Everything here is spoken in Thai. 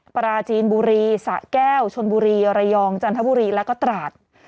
ปราจีนบุรีสะแก้วชนบุรีระยองจันทบุรีแล้วก็ตราด